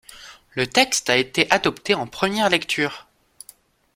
Le texte a été adopté en première lecture.